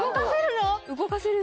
動かせるの？